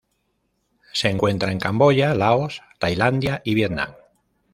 Se encuentra en Camboya, Laos, Tailandia, y Vietnam.